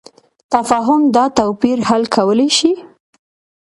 تفاهم دا توپیر حل کولی شي.